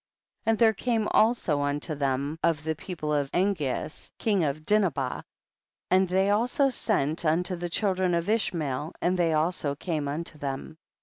16. And there came also unto them of the people of Angeas, king of Din habah, and they also sent unto the children of Ishmael and they also came unto them.